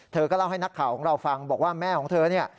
เธอก็เล่าให้นักข่าวของเราฟังบอกว่าแม่ของเธอเนี่ย